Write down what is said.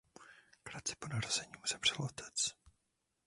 Krátce po narození mu zemřel otec.